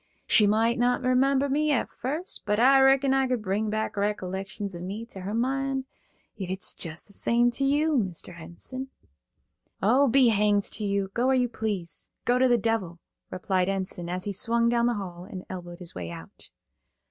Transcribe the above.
She moight not remember me at first, but I reckon I could bring back recollections of me to her mind, ef it's jes' the same to you, Mr. Enson." "O, be hanged to you. Go where you please. Go to the devil," replied Enson, as he swung down the hall and elbowed his way out.